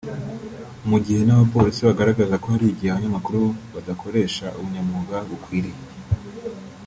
mu gihe n’abapolisi bagaragaza ko hari igihe abanyamakuru badakoresha ubunyamwuga bukwiriye